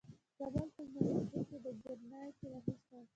د کابل په موسهي کې د ګرانیټ نښې شته.